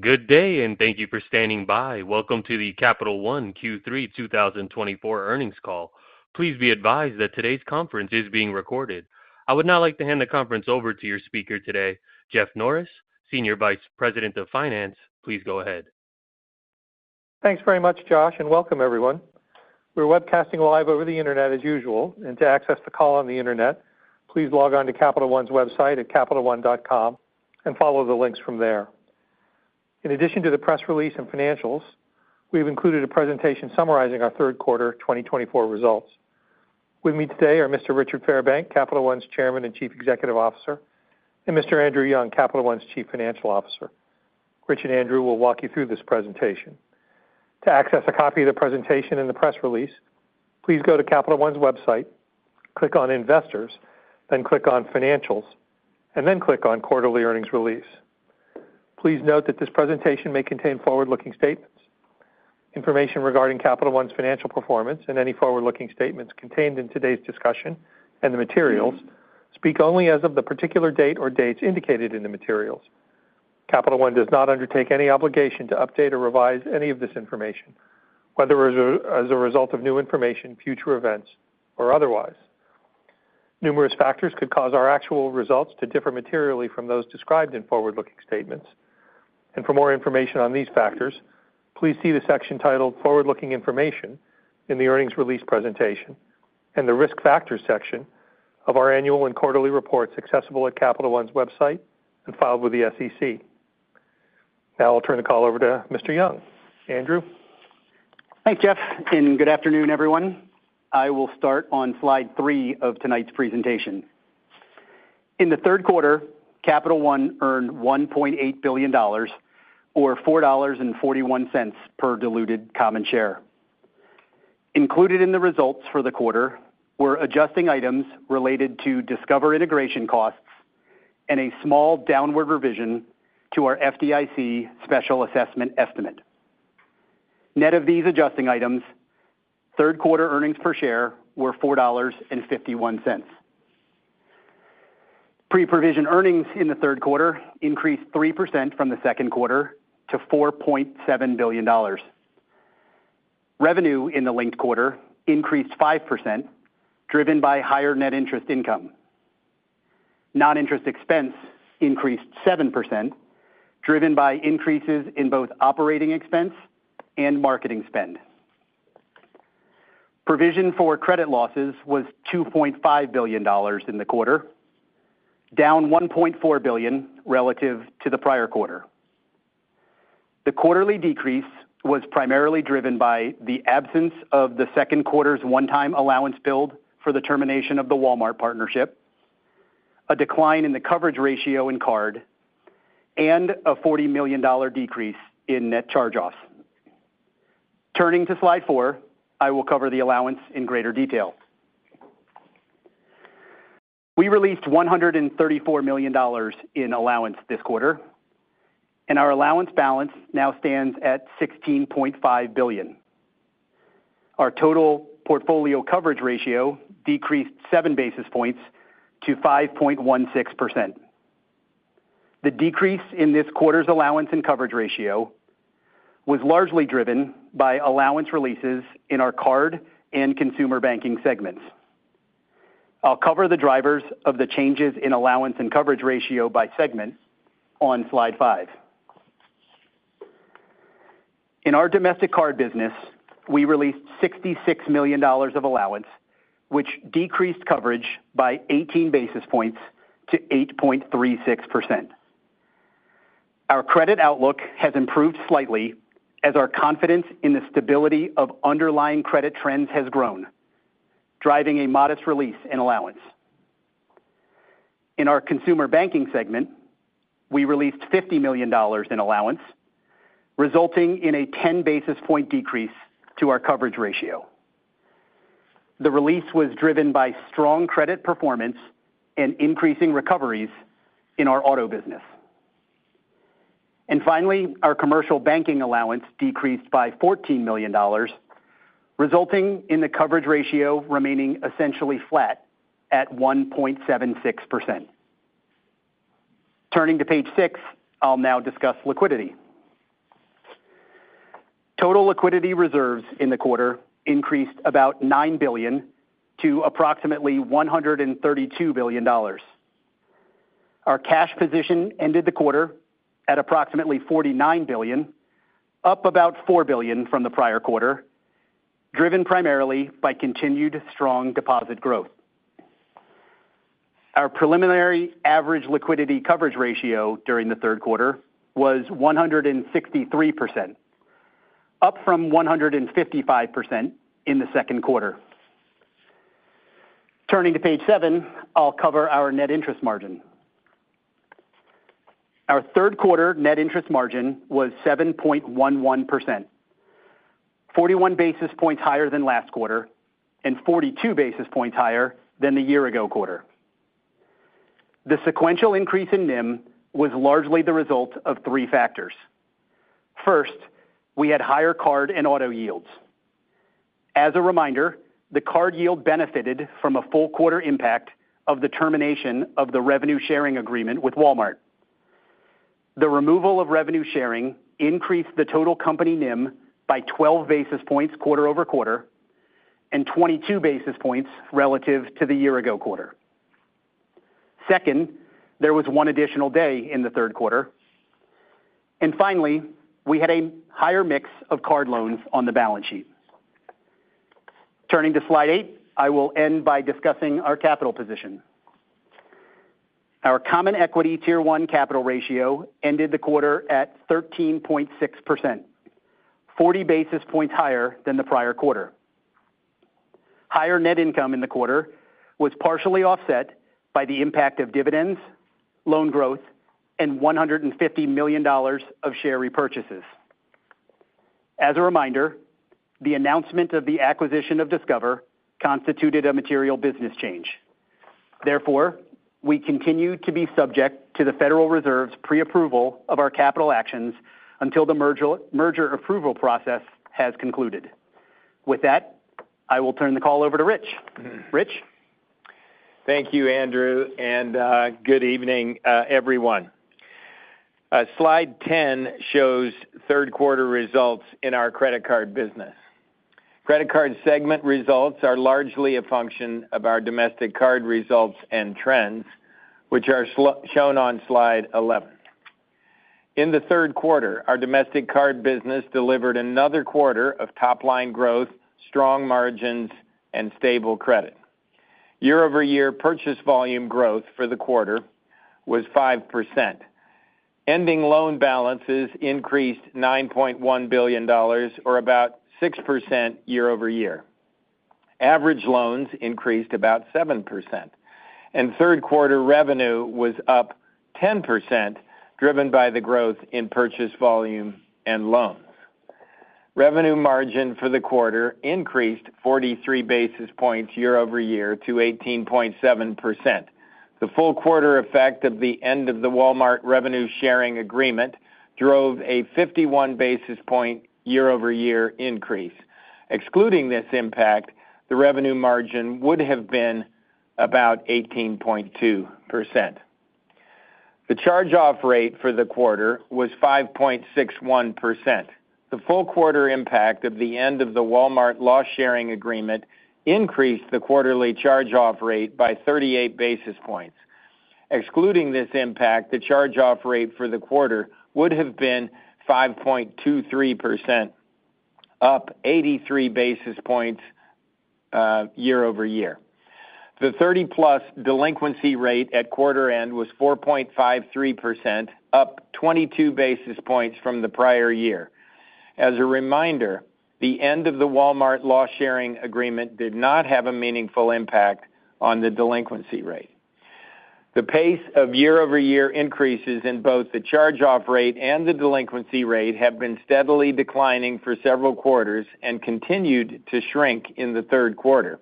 Good day, and thank you for standing by. Welcome to the Capital One Q3 2024 earnings call. Please be advised that today's conference is being recorded. I would now like to hand the conference over to your speaker today, Jeff Norris, Senior Vice President of Finance. Please go ahead. Thanks very much, Josh, and welcome everyone. We're webcasting live over the internet as usual, and to access the call on the internet, please log on to Capital One's website at capitalone.com and follow the links from there. In addition to the press release and financials, we've included a presentation summarizing our third quarter twenty twenty-four results. With me today are Mr. Richard Fairbank, Capital One's Chairman and Chief Executive Officer, and Mr. Andrew Young, Capital One's Chief Financial Officer. Rich and Andrew will walk you through this presentation. To access a copy of the presentation and the press release, please go to Capital One's website, click on Investors, then click on Financials, and then click on Quarterly Earnings Release. Please note that this presentation may contain forward-looking statements. Information regarding Capital One's financial performance and any forward-looking statements contained in today's discussion and the materials speak only as of the particular date or dates indicated in the materials. Capital One does not undertake any obligation to update or revise any of this information, whether as a result of new information, future events, or otherwise. Numerous factors could cause our actual results to differ materially from those described in forward-looking statements, and for more information on these factors, please see the section titled Forward-Looking Information in the earnings release presentation and the Risk Factors section of our annual and quarterly reports accessible at Capital One's website and filed with the SEC. Now I'll turn the call over to Mr. Young. Andrew? Thanks, Jeff, and good afternoon, everyone. I will start on slide three of tonight's presentation. In the third quarter, Capital One earned $1.8 billion or $4.41 per diluted common share. Included in the results for the quarter were adjusting items related to Discover integration costs and a small downward revision to our FDIC special assessment estimate. Net of these adjusting items, third quarter earnings per share were $4.51. Pre-provision earnings in the third quarter increased 3% from the second quarter to $4.7 billion. Revenue in the linked quarter increased 5%, driven by higher net interest income. Non-interest expense increased 7%, driven by increases in both operating expense and marketing spend. Provision for credit losses was $2.5 billion in the quarter, down $1.4 billion relative to the prior quarter. The quarterly decrease was primarily driven by the absence of the second quarter's one-time allowance build for the termination of the Walmart partnership, a decline in the coverage ratio in card, and a $40 million decrease in net charge-offs. Turning to slide four, I will cover the allowance in greater detail. We released $134 million in allowance this quarter, and our allowance balance now stands at $16.5 billion. Our total portfolio coverage ratio decreased seven basis points to 5.16%. The decrease in this quarter's allowance and coverage ratio was largely driven by allowance releases in our card and consumer banking segments. I'll cover the drivers of the changes in allowance and coverage ratio by segment on slide five. In our domestic card business, we released $66 million of allowance, which decreased coverage by 18 basis points to 8.36%. Our credit outlook has improved slightly as our confidence in the stability of underlying credit trends has grown, driving a modest release in allowance. In our consumer banking segment, we released $50 million in allowance, resulting in a 10 basis point decrease to our coverage ratio. The release was driven by strong credit performance and increasing recoveries in our auto business, and finally, our commercial banking allowance decreased by $14 million, resulting in the coverage ratio remaining essentially flat at 1.76%. Turning to page six, I'll now discuss liquidity. Total liquidity reserves in the quarter increased about $9 billion to approximately $132 billion. Our cash position ended the quarter at approximately $49 billion, up about $4 billion from the prior quarter, driven primarily by continued strong deposit growth. Our preliminary average liquidity coverage ratio during the third quarter was 163%, up from 155% in the second quarter. Turning to page seven, I'll cover our net interest margin. Our third quarter net interest margin was 7.11%, 41 basis points higher than last quarter and 42 basis points higher than the year ago quarter. The sequential increase in NIM was largely the result of three factors. First, we had higher card and auto yields. As a reminder, the card yield benefited from a full quarter impact of the termination of the revenue sharing agreement with Walmart. The removal of revenue sharing increased the total company NIM by twelve basis points quarter over quarter, and twenty-two basis points relative to the year ago quarter. Second, there was one additional day in the third quarter. And finally, we had a higher mix of card loans on the balance sheet. Turning to Slide eight, I will end by discussing our capital position. Our Common Equity Tier 1 capital ratio ended the quarter at 13.6%, 40 basis points higher than the prior quarter. Higher net income in the quarter was partially offset by the impact of dividends, loan growth, and $150 million of share repurchases. As a reminder, the announcement of the acquisition of Discover constituted a material business change. Therefore, we continue to be subject to the Federal Reserve's pre-approval of our capital actions until the merger approval process has concluded. With that, I will turn the call over to Rich. Rich? Thank you, Andrew, and good evening, everyone. Slide 10 shows third quarter results in our credit card business. Credit card segment results are largely a function of our domestic card results and trends, which are shown on slide 11. In the third quarter, our domestic card business delivered another quarter of top line growth, strong margins, and stable credit. Year-over-year purchase volume growth for the quarter was 5%. Ending loan balances increased $9.1 billion, or about 6% year-over-year. Average loans increased about 7%, and third quarter revenue was up 10%, driven by the growth in purchase volume and loans. Revenue margin for the quarter increased 43 basis points year-over-year to 18.7%. The full quarter effect of the end of the Walmart revenue sharing agreement drove a 51 basis point year-over-year increase. Excluding this impact, the revenue margin would have been about 18.2%. The charge-off rate for the quarter was 5.61%. The full quarter impact of the end of the Walmart loss sharing agreement increased the quarterly charge-off rate by 38 basis points. Excluding this impact, the charge-off rate for the quarter would have been 5.23%, up 83 basis points year-over-year. The 30-plus delinquency rate at quarter end was 4.53%, up 22 basis points from the prior year. As a reminder, the end of the Walmart loss sharing agreement did not have a meaningful impact on the delinquency rate. The pace of year-over-year increases in both the charge-off rate and the delinquency rate have been steadily declining for several quarters and continued to shrink in the third quarter.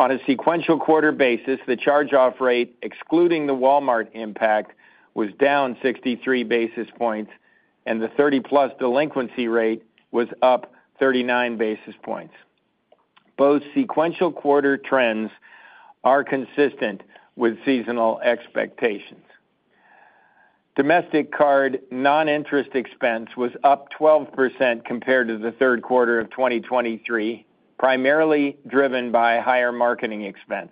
On a sequential quarter basis, the charge-off rate, excluding the Walmart impact, was down 63 basis points, and the 30-plus delinquency rate was up 39 basis points. Both sequential quarter trends are consistent with seasonal expectations. Domestic card non-interest expense was up 12% compared to the third quarter of 2023, primarily driven by higher marketing expense.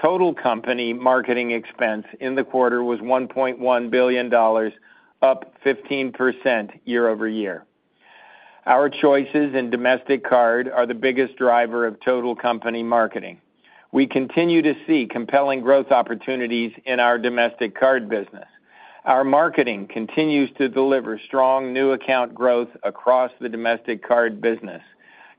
Total company marketing expense in the quarter was $1.1 billion, up 15% year-over-year. Our choices in domestic card are the biggest driver of total company marketing. We continue to see compelling growth opportunities in our domestic card business. Our marketing continues to deliver strong new account growth across the domestic card business.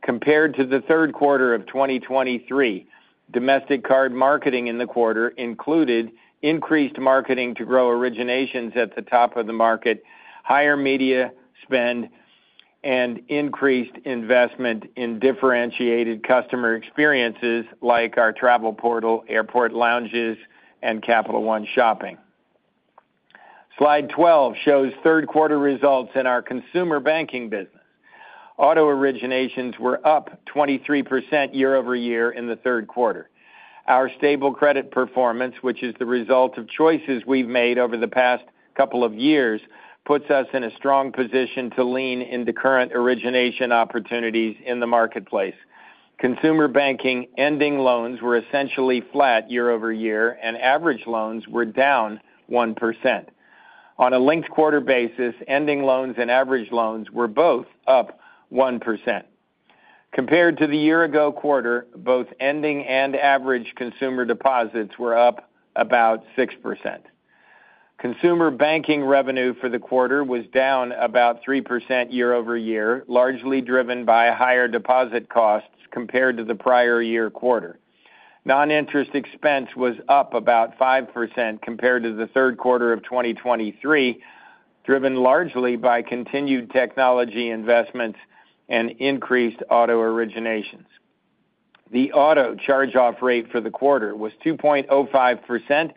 Compared to the third quarter of twenty twenty-three, domestic card marketing in the quarter included increased marketing to grow originations at the top of the market, higher media spend, and increased investment in differentiated customer experiences like our travel portal, airport lounges, and Capital One Shopping. Slide 12 shows third quarter results in our consumer banking business. Auto originations were up 23% year-over-year in the third quarter. Our stable credit performance, which is the result of choices we've made over the past couple of years, puts us in a strong position to lean into current origination opportunities in the marketplace. Consumer banking ending loans were essentially flat year-over-year, and average loans were down 1%. On a linked quarter basis, ending loans and average loans were both up 1%. Compared to the year ago quarter, both ending and average consumer deposits were up about 6%. Consumer banking revenue for the quarter was down about 3% year-over-year, largely driven by higher deposit costs compared to the prior year quarter. Non-interest expense was up about 5% compared to the third quarter of 2023, driven largely by continued technology investments and increased auto originations. The auto charge-off rate for the quarter was 2.05%,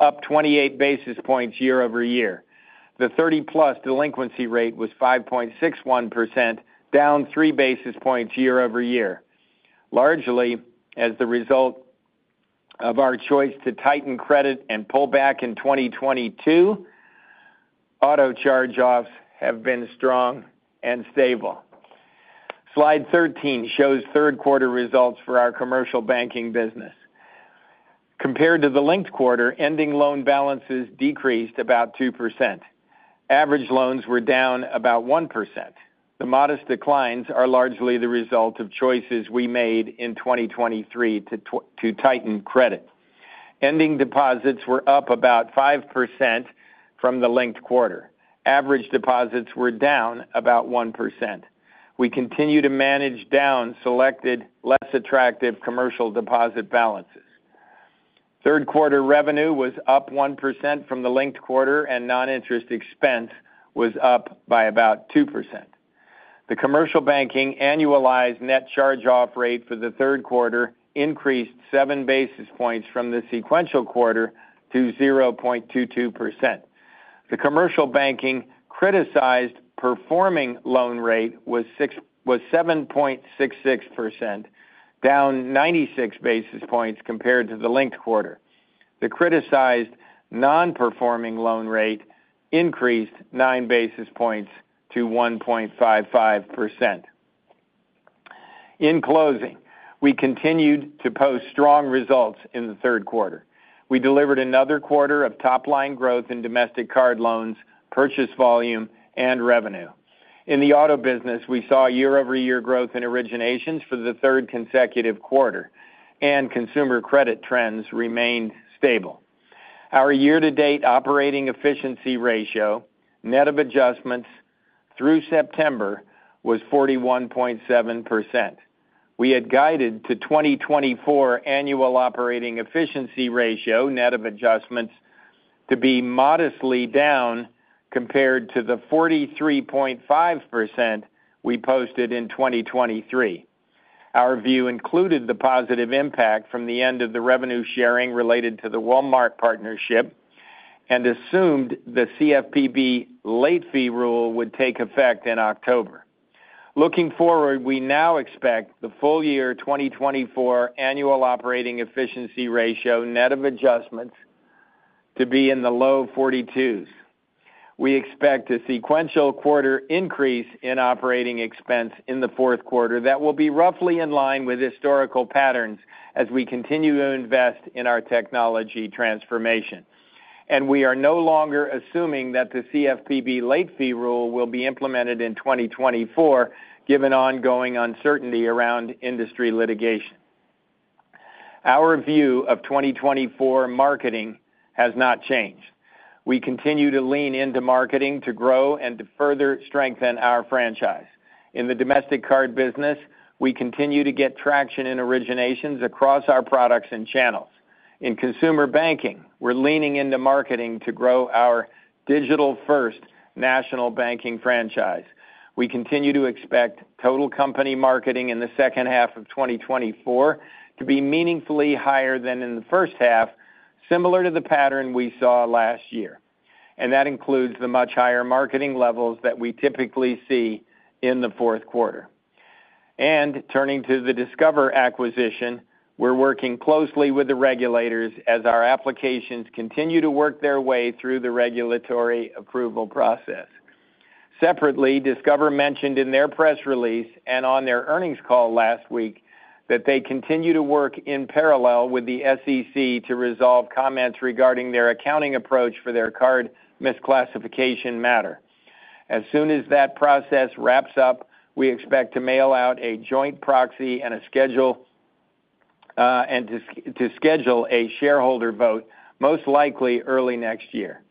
up 28 basis points year-over-year. The 30-plus delinquency rate was 5.61%, down 3 basis points year-over-year. Largely, as the result of our choice to tighten credit and pull back in 2022, auto charge-offs have been strong and stable. Slide 13 shows third quarter results for our commercial banking business. Compared to the linked quarter, ending loan balances decreased about 2%. Average loans were down about 1%. The modest declines are largely the result of choices we made in 2023 to tighten credit. Ending deposits were up about 5% from the linked quarter. Average deposits were down about 1%. We continue to manage down selected, less attractive commercial deposit balances. Third quarter revenue was up 1% from the linked quarter, and non-interest expense was up by about 2%. The commercial banking annualized net charge-off rate for the third quarter increased seven basis points from the sequential quarter to 0.22%. The commercial banking criticized performing loan rate was seven point six six percent, down 96 basis points compared to the linked quarter. The criticized nonperforming loan rate increased nine basis points to 1.55%. In closing, we continued to post strong results in the third quarter. We delivered another quarter of top-line growth in domestic card loans, purchase volume, and revenue. In the auto business, we saw year-over-year growth in originations for the third consecutive quarter, and consumer credit trends remained stable. Our year-to-date operating efficiency ratio, net of adjustments through September, was 41.7%. We had guided to 2024 annual operating efficiency ratio, net of adjustments, to be modestly down compared to the 43.5% we posted in 2023. Our view included the positive impact from the end of the revenue sharing related to the Walmart partnership and assumed the CFPB late fee rule would take effect in October. Looking forward, we now expect the full year 2024 annual operating efficiency ratio, net of adjustments, to be in the low 42s%. We expect a sequential quarter increase in operating expense in the fourth quarter that will be roughly in line with historical patterns as we continue to invest in our technology transformation, and we are no longer assuming that the CFPB late fee rule will be implemented in twenty twenty-four, given ongoing uncertainty around industry litigation. Our view of twenty twenty-four marketing has not changed. We continue to lean into marketing to grow and to further strengthen our franchise. In the domestic card business, we continue to get traction in originations across our products and channels. In consumer banking, we're leaning into marketing to grow our digital-first national banking franchise. We continue to expect total company marketing in the second half of twenty twenty-four to be meaningfully higher than in the first half, similar to the pattern we saw last year. That includes the much higher marketing levels that we typically see in the fourth quarter. Turning to the Discover acquisition, we're working closely with the regulators as our applications continue to work their way through the regulatory approval process. Separately, Discover mentioned in their press release and on their earnings call last week, that they continue to work in parallel with the SEC to resolve comments regarding their accounting approach for their card misclassification matter. As soon as that process wraps up, we expect to mail out a joint proxy and a schedule, and to schedule a shareholder vote, most likely early next year.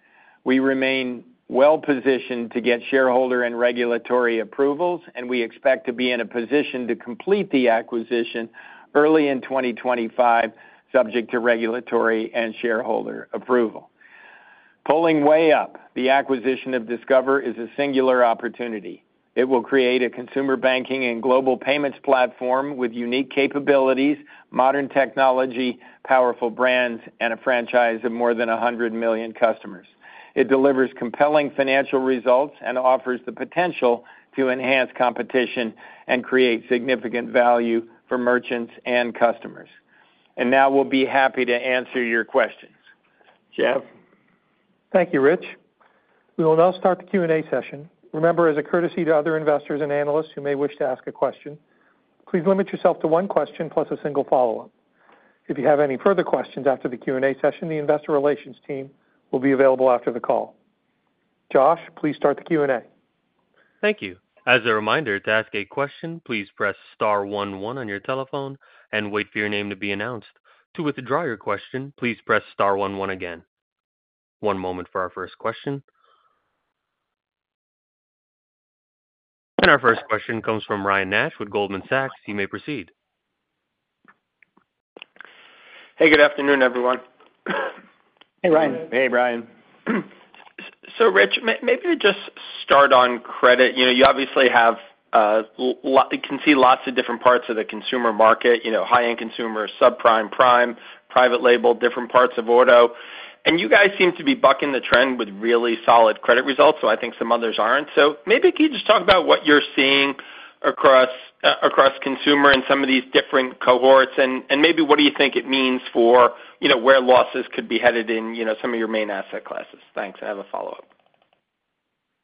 We remain well-positioned to get shareholder and regulatory approvals, and we expect to be in a position to complete the acquisition early in twenty twenty-five, subject to regulatory and shareholder approval. Pulling way up, the acquisition of Discover is a singular opportunity. It will create a consumer banking and global payments platform with unique capabilities, modern technology, powerful brands, and a franchise of more than a hundred million customers. It delivers compelling financial results and offers the potential to enhance competition and create significant value for merchants and customers. And now we'll be happy to answer your questions. Jeff? Thank you, Rich. We will now start the Q&A session. Remember, as a courtesy to other investors and analysts who may wish to ask a question, please limit yourself to one question plus a single follow-up. If you have any further questions after the Q&A session, the investor relations team will be available after the call. Josh, please start the Q&A. Thank you. As a reminder, to ask a question, please press star one one on your telephone and wait for your name to be announced. To withdraw your question, please press star one one again. One moment for our first question, and our first question comes from Ryan Nash with Goldman Sachs. You may proceed. Hey, good afternoon, everyone. Hey, Ryan. Hey, Ryan. So Rich, maybe just start on credit. You know, you obviously have, you can see lots of different parts of the consumer market, you know, high-end consumer, subprime, prime, private label, different parts of auto. And you guys seem to be bucking the trend with really solid credit results, so I think some others aren't. So maybe can you just talk about what you're seeing across, across consumer and some of these different cohorts, and, and maybe what do you think it means for, you know, where losses could be headed in, you know, some of your main asset classes? Thanks. I have a follow-up.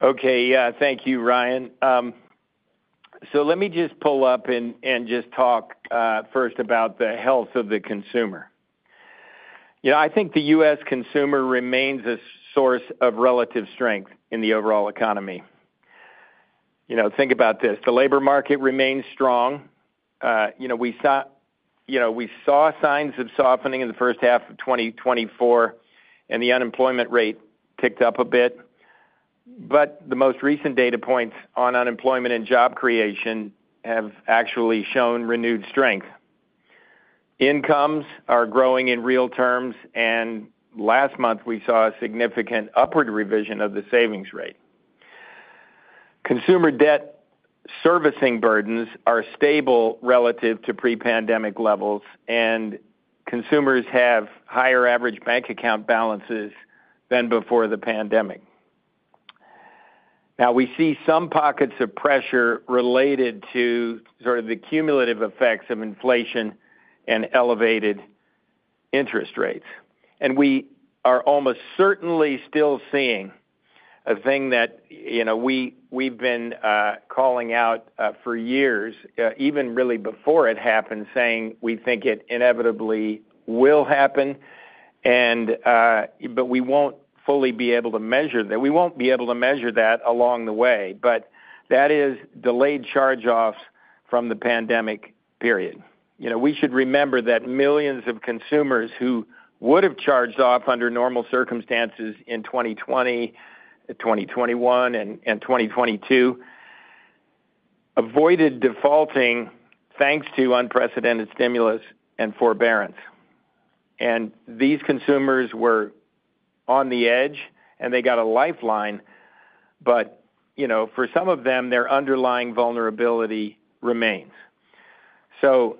Okay. Yeah, thank you, Ryan. So let me just pull up and just talk first about the health of the consumer. You know, I think the U.S. consumer remains a source of relative strength in the overall economy. You know, think about this: the labor market remains strong. You know, we saw signs of softening in the first half of 2024, and the unemployment rate ticked up a bit, but the most recent data points on unemployment and job creation have actually shown renewed strength. Incomes are growing in real terms, and last month, we saw a significant upward revision of the savings rate. Consumer debt servicing burdens are stable relative to pre-pandemic levels, and consumers have higher average bank account balances than before the pandemic. Now, we see some pockets of pressure related to sort of the cumulative effects of inflation and elevated interest rates, and we are almost certainly still seeing a thing that, you know, we've been calling out for years, even really before it happened, saying we think it inevitably will happen, and but we won't fully be able to measure that. We won't be able to measure that along the way, but that is delayed charge-offs from the pandemic period. You know, we should remember that millions of consumers who would've charged off under normal circumstances in 2020, 2021 and 2022 avoided defaulting, thanks to unprecedented stimulus and forbearance, and these consumers were on the edge, and they got a lifeline, but, you know, for some of them, their underlying vulnerability remains. So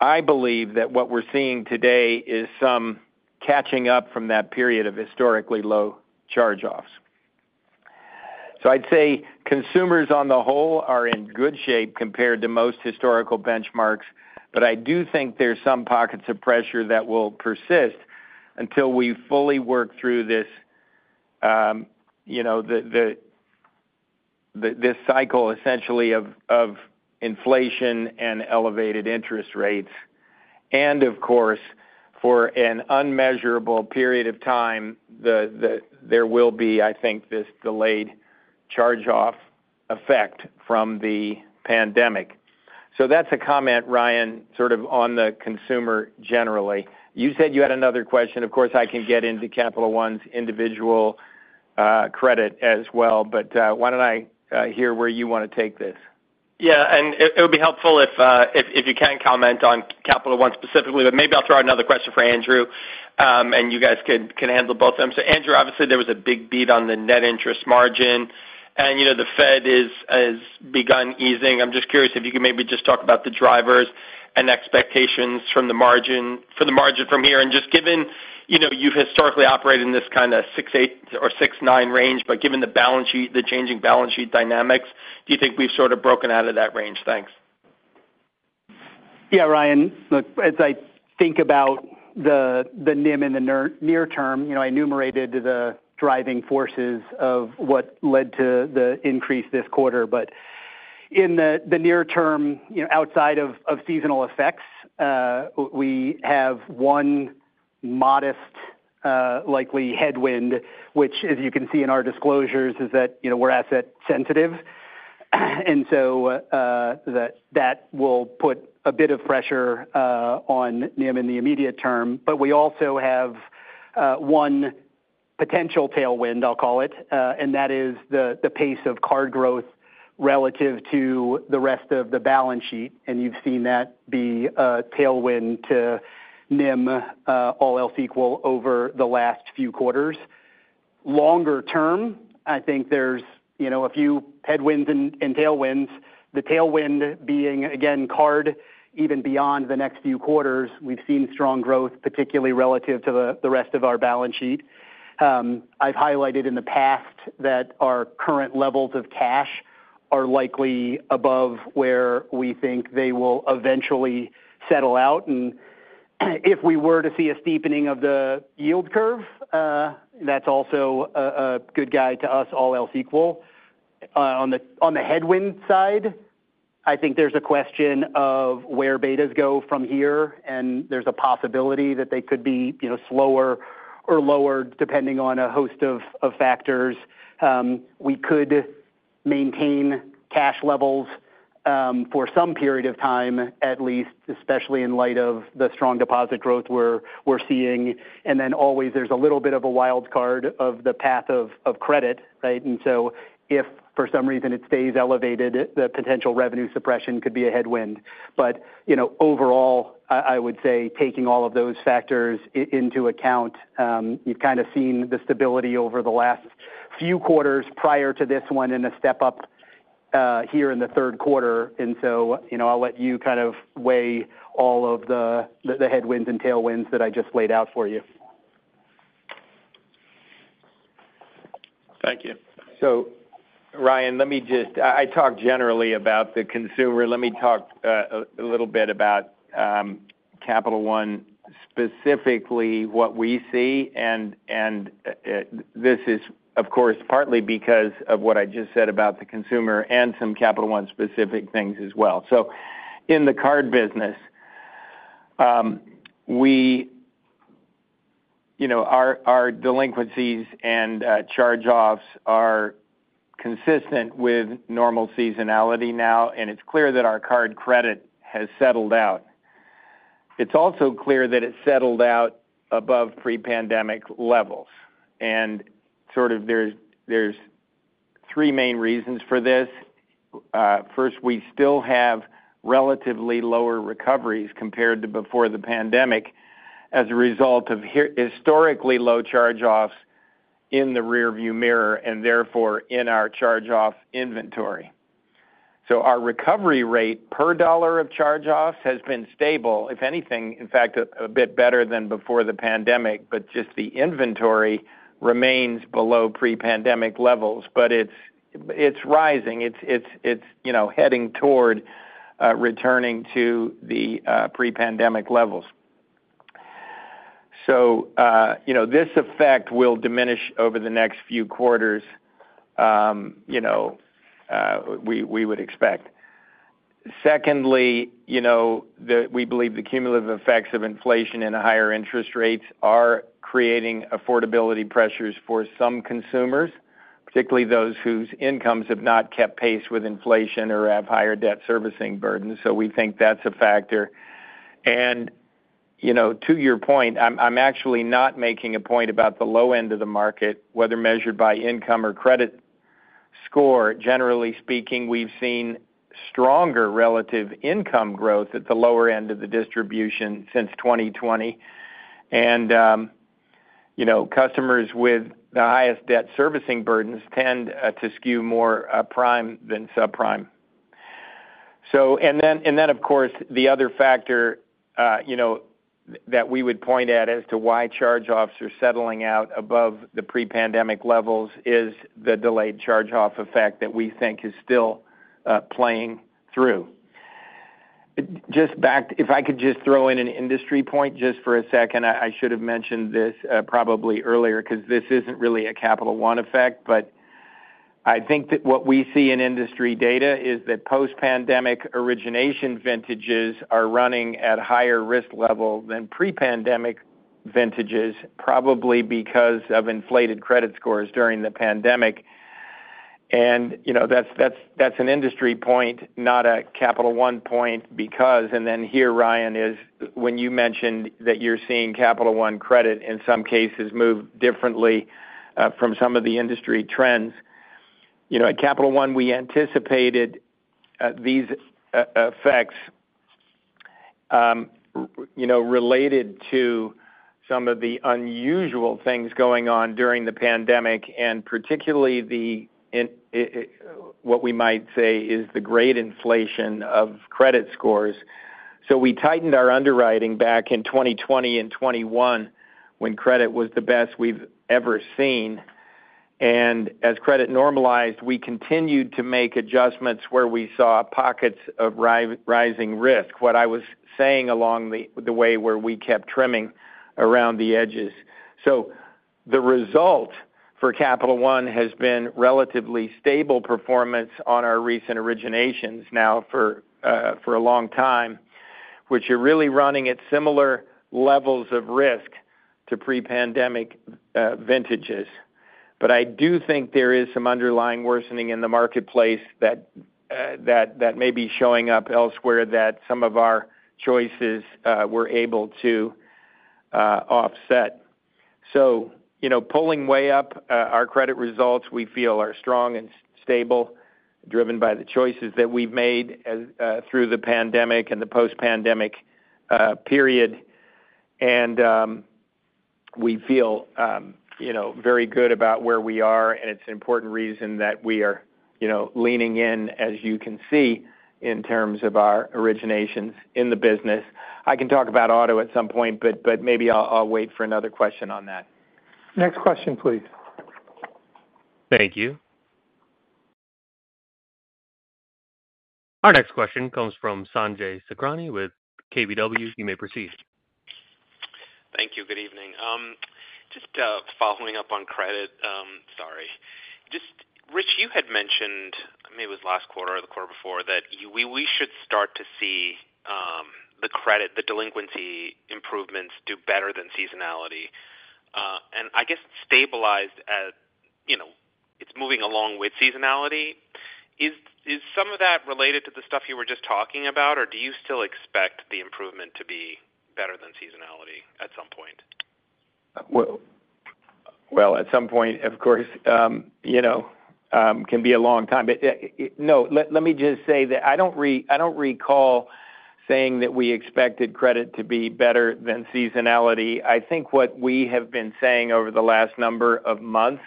I believe that what we're seeing today is some catching up from that period of historically low charge-offs. So I'd say consumers, on the whole, are in good shape compared to most historical benchmarks, but I do think there's some pockets of pressure that will persist until we fully work through this this cycle essentially of inflation and elevated interest rates. And of course, for an unmeasurable period of time there will be, I think, this delayed charge-off effect from the pandemic. So that's a comment, Ryan, sort of on the consumer generally. You said you had another question. Of course, I can get into Capital One's individual credit as well, but why don't I hear where you want to take this? Yeah, and it would be helpful if you can comment on Capital One specifically, but maybe I'll throw out another question for Andrew, and you guys can handle both of them. So Andrew, obviously, there was a big beat on the net interest margin, and, you know, the Fed has begun easing. I'm just curious if you could maybe just talk about the drivers and expectations for the margin from here. And just given, you know, you've historically operated in this kind of 6.8 or 6.9 range, but given the balance sheet, the changing balance sheet dynamics, do you think we've sort of broken out of that range? Thanks. Yeah, Ryan, look, as I think about the NIM in the near term, you know, I enumerated the driving forces of what led to the increase this quarter. But in the near term, you know, outside of seasonal effects, we have one modest likely headwind, which, as you can see in our disclosures, is that, you know, we're asset sensitive, and so that will put a bit of pressure on NIM in the immediate term. But we also have one potential tailwind, I'll call it, and that is the pace of card growth relative to the rest of the balance sheet, and you've seen that be a tailwind to NIM, all else equal, over the last few quarters. Longer term, I think there's a few headwinds and tailwinds. The tailwind being, again, card, even beyond the next few quarters, we've seen strong growth, particularly relative to the rest of our balance sheet. I've highlighted in the past that our current levels of cash are likely above where we think they will eventually settle out. And, if we were to see a steepening of the yield curve, that's also a good guide to us, all else equal. On the headwind side, I think there's a question of where betas go from here, and there's a possibility that they could be, you know, slower or lower, depending on a host of factors. We could maintain cash levels. for some period of time, at least, especially in light of the strong deposit growth we're seeing, and then always there's a little bit of a wild card of the path of credit, right? And so if for some reason it stays elevated, the potential revenue suppression could be a headwind. But you know, overall, I would say, taking all of those factors into account, you've kind of seen the stability over the last few quarters prior to this one and a step up here in the third quarter. And so you know, I'll let you kind of weigh all of the headwinds and tailwinds that I just laid out for you. Thank you. So Ryan, let me just. I talked generally about the consumer. Let me talk a little bit about Capital One, specifically what we see, and this is, of course, partly because of what I just said about the consumer and some Capital One specific things as well. So in the card business, we, you know, our delinquencies and charge-offs are consistent with normal seasonality now, and it's clear that our card credit has settled out. It's also clear that it settled out above pre-pandemic levels, and sort of there's three main reasons for this. First, we still have relatively lower recoveries compared to before the pandemic as a result of historically low charge-offs in the rearview mirror, and therefore, in our charge-off inventory. So our recovery rate per dollar of charge-offs has been stable, if anything, in fact, a bit better than before the pandemic, but just the inventory remains below pre-pandemic levels, but it's rising, it's you know, heading toward returning to the pre-pandemic levels, so you know, this effect will diminish over the next few quarters, you know, we would expect. Secondly, you know, we believe the cumulative effects of inflation and higher interest rates are creating affordability pressures for some consumers, particularly those whose incomes have not kept pace with inflation or have higher debt servicing burdens, so we think that's a factor, and you know, to your point, I'm actually not making a point about the low end of the market, whether measured by income or credit score. Generally speaking, we've seen stronger relative income growth at the lower end of the distribution since 2020. And, you know, customers with the highest debt servicing burdens tend to skew more prime than subprime. So, and then, of course, the other factor, you know, that we would point at as to why charge-offs are settling out above the pre-pandemic levels is the delayed charge-off effect that we think is still playing through. If I could just throw in an industry point just for a second, I should have mentioned this probably earlier, 'cause this isn't really a Capital One effect, but I think that what we see in industry data is that post-pandemic origination vintages are running at higher risk level than pre-pandemic vintages, probably because of inflated credit scores during the pandemic. You know, that's an industry point, not a Capital One point, because, and then here, Ryan, is when you mentioned that you're seeing Capital One credit, in some cases, move differently from some of the industry trends. You know, at Capital One, we anticipated these effects, you know, related to some of the unusual things going on during the pandemic, and particularly the inflation, what we might say is the grade inflation of credit scores. So we tightened our underwriting back in 2020 and 2021, when credit was the best we've ever seen. And as credit normalized, we continued to make adjustments where we saw pockets of rising risk, what I was saying along the way where we kept trimming around the edges. So the result for Capital One has been relatively stable performance on our recent originations now for a long time, which are really running at similar levels of risk to pre-pandemic vintages. But I do think there is some underlying worsening in the marketplace that may be showing up elsewhere that some of our choices were able to offset. So, you know, pulling way up our credit results, we feel, are strong and stable, driven by the choices that we've made as through the pandemic and the post-pandemic period. And, we feel, you know, very good about where we are, and it's an important reason that we are, you know, leaning in, as you can see, in terms of our originations in the business. I can talk about auto at some point, but maybe I'll wait for another question on that. Next question, please. Thank you. Our next question comes from Sanjay Sakhrani with KBW. You may proceed. Thank you. Good evening. Just, following up on credit, sorry. Just Rich, you had mentioned, I mean, it was last quarter or the quarter before, that we should start to see credit, the delinquency improvements do better than seasonality, and I guess stabilized at, you know, it's moving along with seasonality. Is some of that related to the stuff you were just talking about, or do you still expect the improvement to be better than seasonality at some point? Well, at some point, of course, you know, can be a long time. But, no, let me just say that I don't recall saying that we expected credit to be better than seasonality. I think what we have been saying over the last number of months,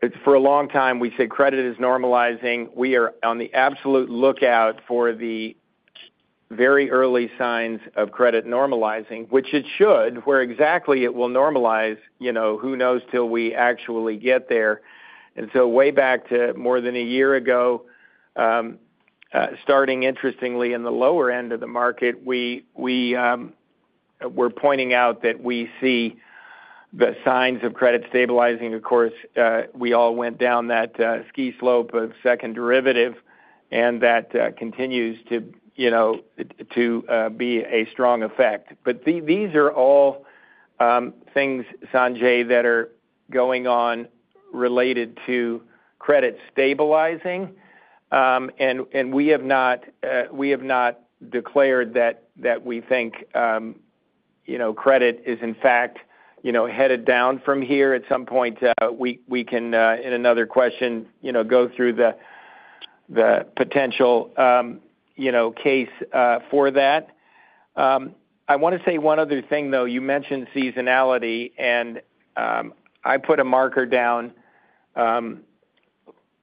it's for a long time, we said credit is normalizing. We are on the absolute lookout for the very early signs of credit normalizing, which it should. Where exactly it will normalize, you know, who knows till we actually get there? And so way back to more than a year ago, starting interestingly, in the lower end of the market, we're pointing out that we see the signs of credit stabilizing. Of course, we all went down that ski slope of second derivative, and that continues to, you know, to be a strong effect. But these are all things, Sanjay, that are going on related to credit stabilizing. And we have not declared that we think, you know, credit is, in fact, you know, headed down from here. At some point, we can, in another question, you know, go through the potential, you know, case for that. I want to say one other thing, though. You mentioned seasonality, and I put a marker down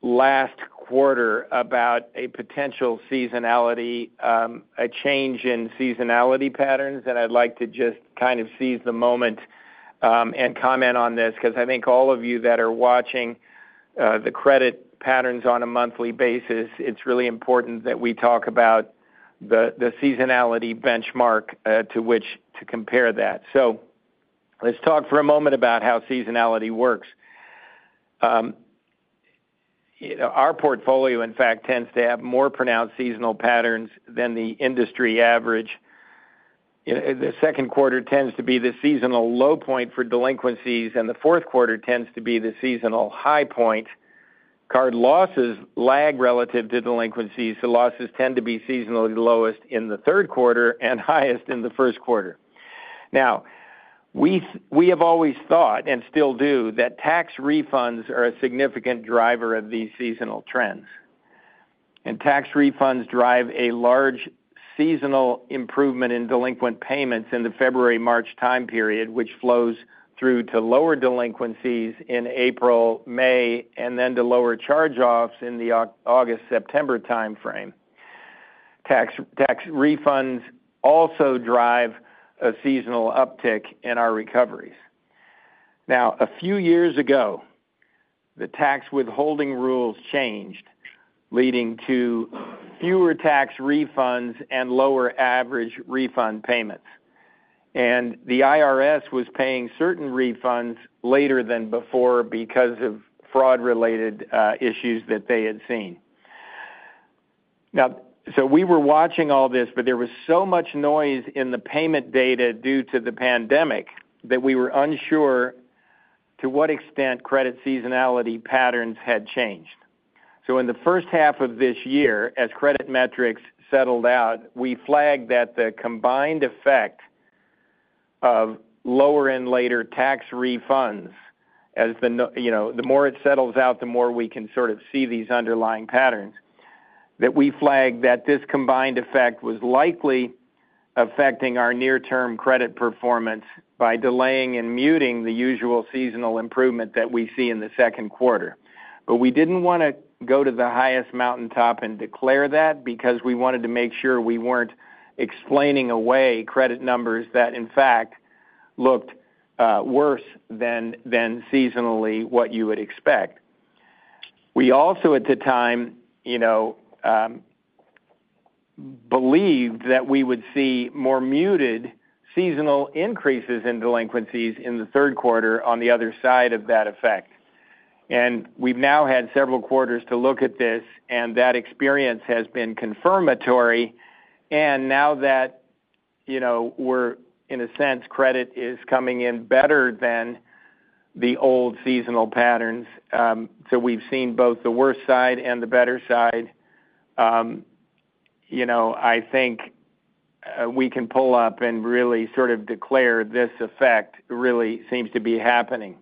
last quarter about a potential seasonality, a change in seasonality patterns, and I'd like to just kind of seize the moment and comment on this, 'cause I think all of you that are watching the credit patterns on a monthly basis, it's really important that we talk about the seasonality benchmark to which to compare that. So let's talk for a moment about how seasonality works. You know, our portfolio, in fact, tends to have more pronounced seasonal patterns than the industry average. You know, the second quarter tends to be the seasonal low point for delinquencies, and the fourth quarter tends to be the seasonal high point. Card losses lag relative to delinquencies, so losses tend to be seasonally lowest in the third quarter and highest in the first quarter. Now, we have always thought, and still do, that tax refunds are a significant driver of these seasonal trends, and tax refunds drive a large seasonal improvement in delinquent payments in the February, March time period, which flows through to lower delinquencies in April, May, and then to lower charge-offs in the August, September timeframe. Tax refunds also drive a seasonal uptick in our recoveries. Now, a few years ago, the tax withholding rules changed, leading to fewer tax refunds and lower average refund payments, and the IRS was paying certain refunds later than before because of fraud-related issues that they had seen. Now, so we were watching all this, but there was so much noise in the payment data due to the pandemic, that we were unsure to what extent credit seasonality patterns had changed. So in the first half of this year, as credit metrics settled out, we flagged that the combined effect of lower-end later tax refunds, as the noise you know, the more it settles out, the more we can sort of see these underlying patterns, that we flagged that this combined effect was likely affecting our near-term credit performance by delaying and muting the usual seasonal improvement that we see in the second quarter. But we didn't want to go to the highest mountaintop and declare that, because we wanted to make sure we weren't explaining away credit numbers that, in fact, looked worse than seasonally what you would expect. We also, at the time, you know, believed that we would see more muted seasonal increases in delinquencies in the third quarter on the other side of that effect. And we've now had several quarters to look at this, and that experience has been confirmatory, and now that, you know, we're. In a sense, credit is coming in better than the old seasonal patterns. So we've seen both the worst side and the better side. You know, I think we can pull up and really sort of declare this effect really seems to be happening.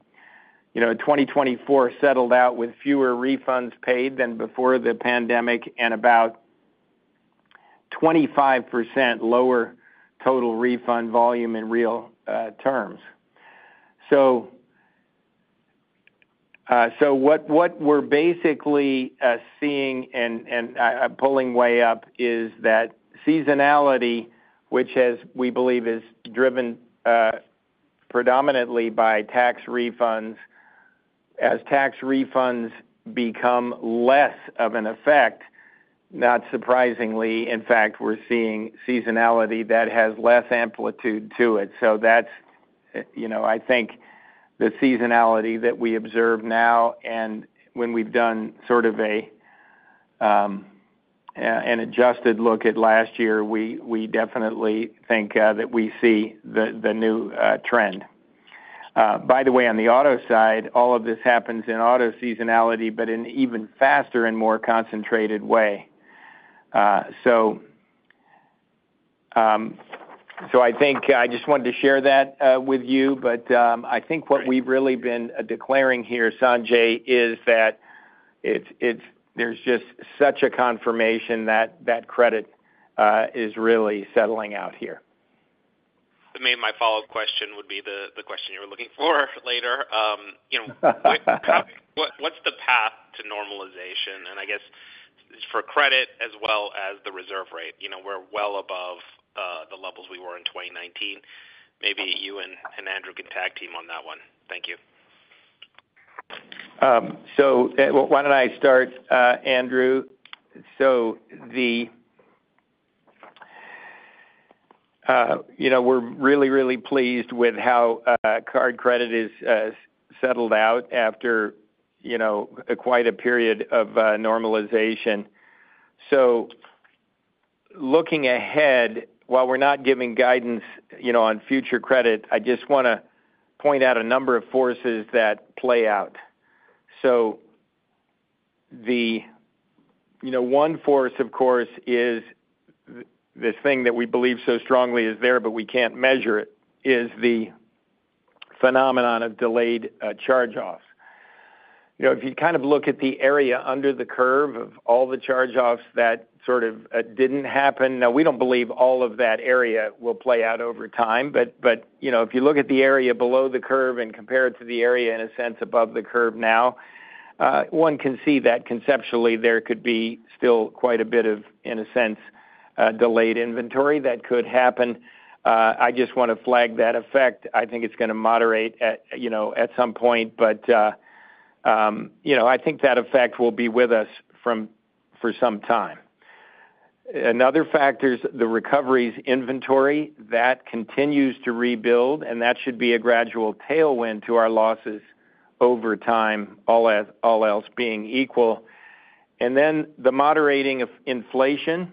You know, 2024 settled out with fewer refunds paid than before the pandemic and about 25% lower total refund volume in real terms. So what we're basically seeing and pulling way up is that seasonality, which has, we believe, is driven predominantly by tax refunds. As tax refunds become less of an effect, not surprisingly, in fact, we're seeing seasonality that has less amplitude to it. So that's, you know, I think the seasonality that we observe now and when we've done sort of an adjusted look at last year, we definitely think that we see the new trend. By the way, on the auto side, all of this happens in auto seasonality, but in even faster and more concentrated way. So I think I just wanted to share that with you, but I think what we've really been declaring here, Sanjay, is that it's there's just such a confirmation that credit is really settling out here. I mean, my follow-up question would be the question you were looking for later. You know, what's the path to normalization? And I guess for credit as well as the reserve rate, you know, we're well above the levels we were in 2019. Maybe you and Andrew can tag team on that one. Thank you. Why don't I start, Andrew? So, you know, we're really, really pleased with how credit card is settled out after, you know, quite a period of normalization. So looking ahead, while we're not giving guidance, you know, on future credit, I just want to point out a number of forces that play out. So, you know, one force, of course, is this thing that we believe so strongly is there, but we can't measure it, is the phenomenon of delayed charge-offs. You know, if you kind of look at the area under the curve of all the charge-offs, that sort of didn't happen. Now, we don't believe all of that area will play out over time, but you know, if you look at the area below the curve and compare it to the area, in a sense, above the curve now, one can see that conceptually, there could be still quite a bit of, in a sense, delayed inventory that could happen. I just want to flag that effect. I think it's going to moderate at, you know, at some point, but you know, I think that effect will be with us for some time. Another factor is the recoveries inventory. That continues to rebuild, and that should be a gradual tailwind to our losses over time, all else being equal. And then the moderating of inflation,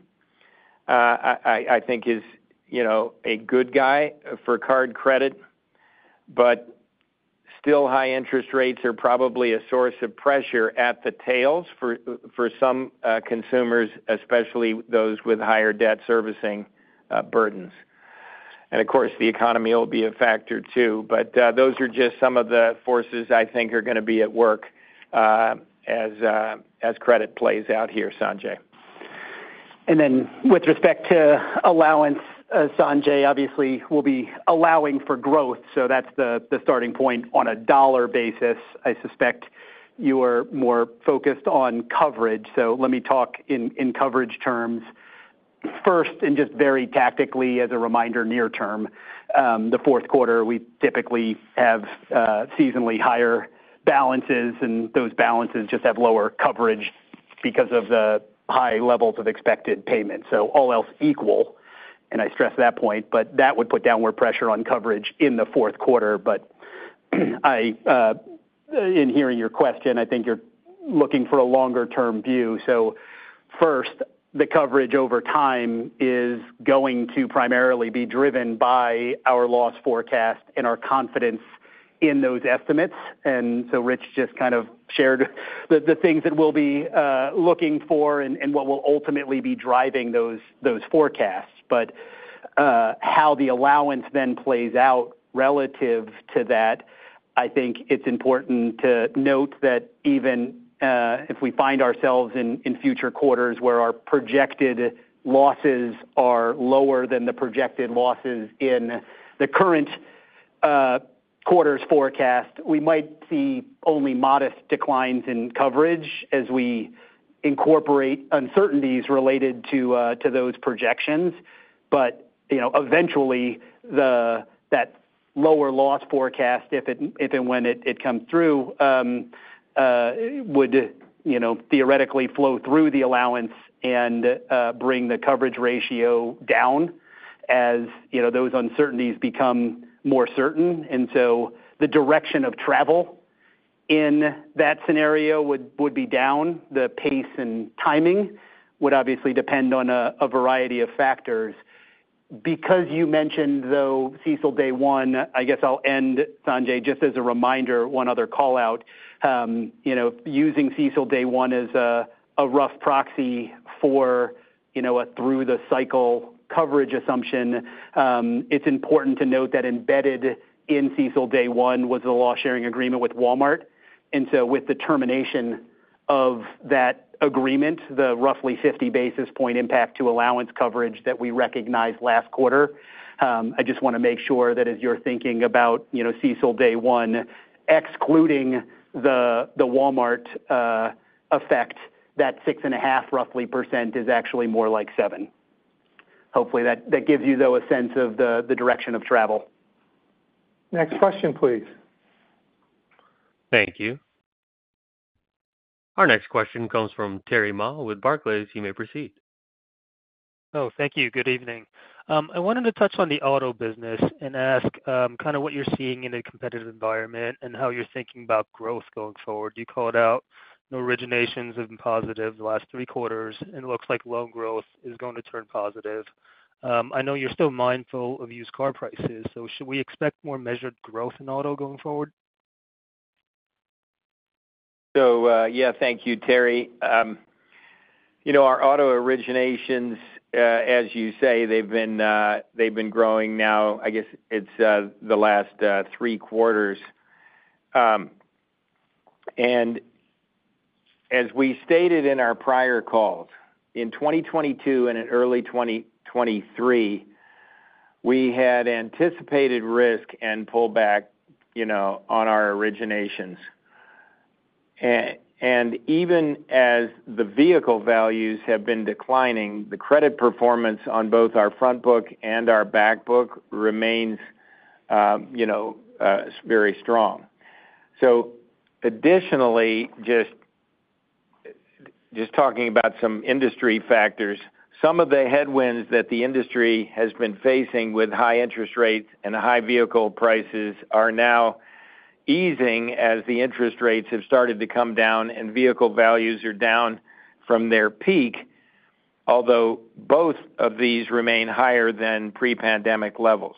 I think is, you know, a good thing for credit cards, but still, high interest rates are probably a source of pressure at the tails for some consumers, especially those with higher debt servicing burdens. And of course, the economy will be a factor, too. But those are just some of the forces I think are going to be at work, as credit plays out here, Sanjay. And then with respect to allowance, Sanjay, obviously, we'll be allowing for growth, so that's the starting point on a dollar basis. I suspect you are more focused on coverage, so let me talk in coverage terms. First, and just very tactically, as a reminder, near term, the fourth quarter, we typically have seasonally higher balances, and those balances just have lower coverage because of the high levels of expected payments. So all else equal, and I stress that point, but that would put downward pressure on coverage in the fourth quarter. But I in hearing your question, I think you're looking for a longer-term view. So first, the coverage over time is going to primarily be driven by our loss forecast and our confidence in those estimates. And so Rich just kind of shared the things that we'll be looking for and what will ultimately be driving those forecasts. But how the allowance then plays out relative to that, I think it's important to note that even if we find ourselves in future quarters, where our projected losses are lower than the projected losses in the current quarters forecast, we might see only modest declines in coverage as we incorporate uncertainties related to those projections. But you know, eventually, that lower loss forecast, if and when it comes through, would you know, theoretically flow through the allowance and bring the coverage ratio down, as you know, those uncertainties become more certain. And so the direction of travel in that scenario would be down. The pace and timing would obviously depend on a variety of factors. Because you mentioned, though, CECL day one, I guess I'll end, Sanjay, just as a reminder, one other call-out. You know, using CECL day one as a rough proxy for, you know, a through the cycle coverage assumption, it's important to note that embedded in CECL day one was the loss-sharing agreement with Walmart. And so with the termination of that agreement, the roughly fifty basis point impact to allowance coverage that we recognized last quarter, I just want to make sure that as you're thinking about, you know, CECL day one, excluding the Walmart effect, that 6.5%, roughly, is actually more like 7%. Hopefully, that gives you, though, a sense of the direction of travel. Next question, please. Thank you. Our next question comes from Terry Ma with Barclays. You may proceed. Oh, thank you. Good evening. I wanted to touch on the auto business and ask, kind of what you're seeing in the competitive environment and how you're thinking about growth going forward. You called out new originations have been positive the last three quarters, and it looks like loan growth is going to turn positive. I know you're still mindful of used car prices, so should we expect more measured growth in auto going forward? Yeah, thank you, Terry. You know, our auto originations, as you say, they've been growing now. I guess it's the last three quarters, and as we stated in our prior calls, in twenty twenty-two and in early twenty twenty-three, we had anticipated risk and pullback, you know, on our originations, and even as the vehicle values have been declining, the credit performance on both our front book and our back book remains, you know, very strong. Additionally, just talking about some industry factors, some of the headwinds that the industry has been facing with high interest rates and high vehicle prices are now easing as the interest rates have started to come down and vehicle values are down from their peak, although both of these remain higher than pre-pandemic levels.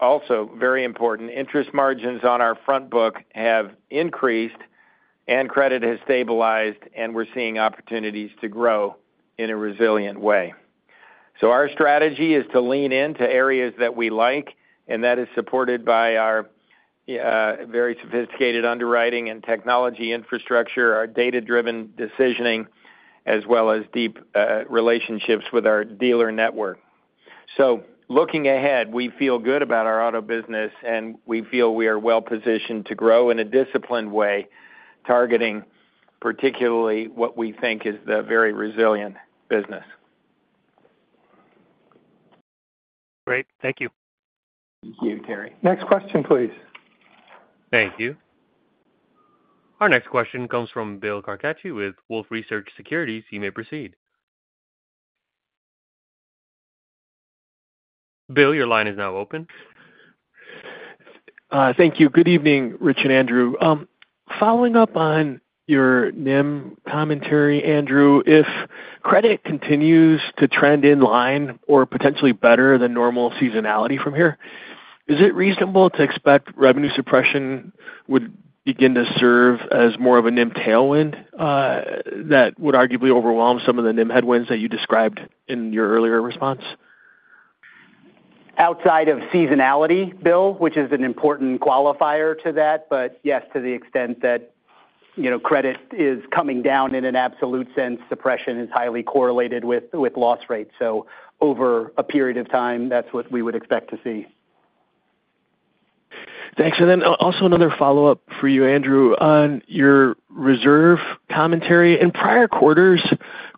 Also, very important, interest margins on our front book have increased and credit has stabilized, and we're seeing opportunities to grow in a resilient way. Our strategy is to lean into areas that we like, and that is supported by our very sophisticated underwriting and technology infrastructure, our data-driven decisioning, as well as deep relationships with our dealer network. So looking ahead, we feel good about our auto business, and we feel we are well positioned to grow in a disciplined way, targeting particularly what we think is the very resilient business. Great. Thank you. Thank you, Terry. Next question, please. Thank you. Our next question comes from Bill Carcache with Wolfe Research Securities. You may proceed. Bill, your line is now open. Thank you. Good evening, Rich and Andrew. Following up on your NIM commentary, Andrew, if credit continues to trend in line or potentially better than normal seasonality from here, is it reasonable to expect revenue suppression would begin to serve as more of a NIM tailwind, that would arguably overwhelm some of the NIM headwinds that you described in your earlier response? Outside of seasonality, Bill, which is an important qualifier to that, but yes, to the extent that, you know, credit is coming down in an absolute sense, spend suppression is highly correlated with loss rate, so over a period of time, that's what we would expect to see. Thanks. And then also another follow-up for you, Andrew. On your reserve commentary, in prior quarters,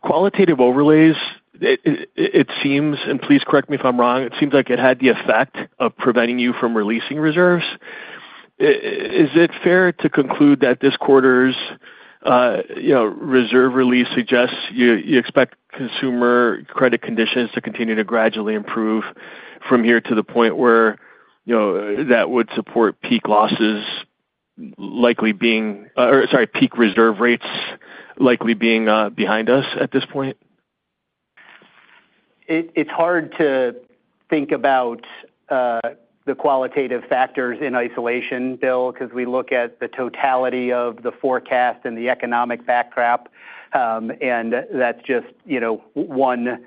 qualitative overlays, it seems, and please correct me if I'm wrong, it seems like it had the effect of preventing you from releasing reserves. Is it fair to conclude that this quarter's, you know, reserve release suggests you expect consumer credit conditions to continue to gradually improve from here to the point where, you know, that would support peak losses likely being-- or sorry, peak reserve rates likely being behind us at this point? It's hard to think about the qualitative factors in isolation, Bill, because we look at the totality of the forecast and the economic backdrop, and that's just, you know, one,